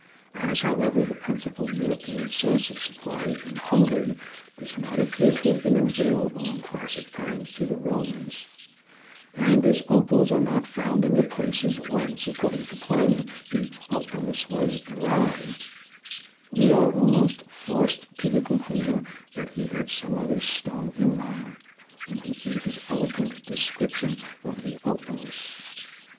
As, however, the principal European source of supply in Hungary does not appear to have been available in classic times to the Romans, and as opals are not found in the places whence, according to Pliny, the opalus was derived, we are almost forced to the conclusion that he had some other stone in mind when he gave his eloquent description of the opalus.